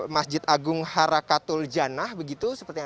masjid agung harakatul janah begitu